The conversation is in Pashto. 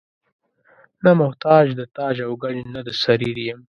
نه محتاج د تاج او ګنج نه د سریر یم.